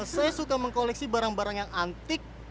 saya suka mengkoleksi barang barang yang antik